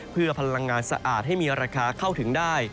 เพื่อพลังงานสะอาดให้มีราคาเข้าถึงได้